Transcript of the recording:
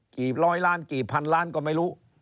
กี่ร้อยล้านกี่พันล้านก็ไม่รู้